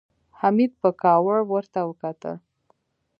حميد په کاوړ ورته وکتل.